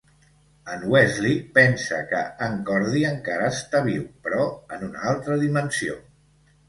En Wesley pensa que en Cordy encara està viu, però en una altra dimensió.